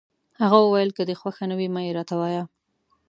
هغه وویل: که دي خوښه نه وي، مه يې راته وایه.